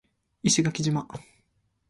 石垣島